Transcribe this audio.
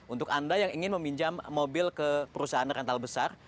untuk anda yang ingin meminjam mobil ke perusahaan rental besar